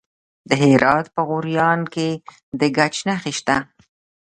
د هرات په غوریان کې د ګچ نښې شته.